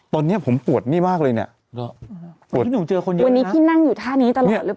ตอนเนี้ยผมปวดนี่มากเลยเนี้ยอ๋อวันนี้พี่นั่งอยู่ท่านี้ตลอดหรือเปล่า